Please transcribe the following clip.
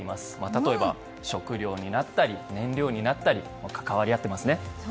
例えば食料になったり燃料になったり関わり合っていますね。